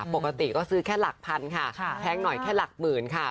ปกติก็ซื้อแค่หลักพันค่ะแพงหน่อยแค่หลักหมื่นค่ะ